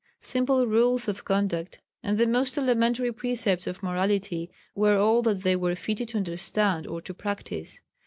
Simple rules of conduct and the most elementary precepts of morality were all that they were fitted to understand or to practise.